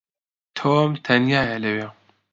تۆم تەنیایە لەوێ.